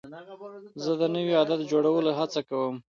زه د نوي عادت جوړولو هڅه کوم.